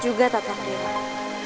juga tatah dirimu